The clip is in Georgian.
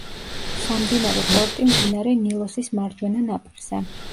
სამდინარო პორტი მდინარე ნილოსის მარჯვენა ნაპირზე.